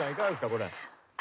これ。